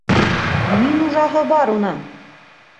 Ни нужаһы бар уның?!